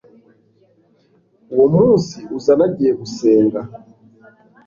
uwo munsi uza nagiye gusenga